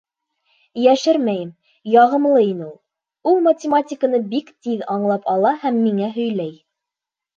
Йәшермәйем, яғымлы ине ул. Ул математиканы бик тиҙ аңлап ала һәм миңә һөйләй.